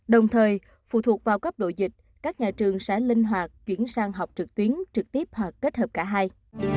đồng thời phụ thuộc vào cấp độ dịch các nhà trường sẽ linh hoạt chuyển sang học trực tuyến trực tiếp hoặc kết hợp cả hai